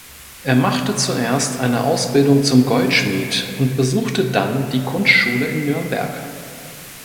Er machte zuerst eine Ausbildung zum Goldschmied und besuchte dann die Kunstschule in Nürnberg.